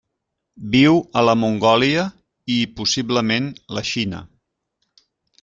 Viu a la Mongòlia i, possiblement, la Xina.